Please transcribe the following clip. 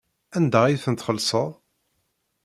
Anda ay tent-txellṣeḍ?